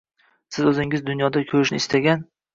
Siz o’zingiz dunyoda ko’rishni istagan